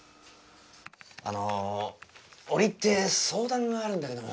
あのおりいって相談があるんだけども。